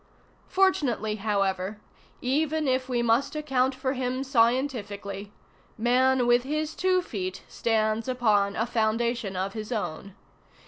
Fortunately, however, ŌĆö even if we must account for him scientifically, man with his two feet stands upon a foundation of his own.